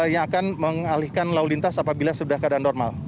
yang akan mengalihkan lalu lintas apabila sudah keadaan normal